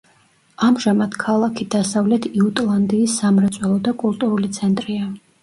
ამჟამად ქალაქი დასავლეთ იუტლანდიის სამრეწველო და კულტურული ცენტრია.